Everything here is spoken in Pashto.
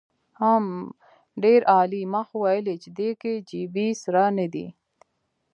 حم ډېر عالي ما خو ويلې چې د کي جي بي سره ندی.